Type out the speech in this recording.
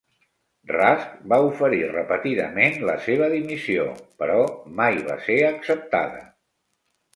Rusk va oferir repetidament la seva dimissió, però mai va ser acceptada.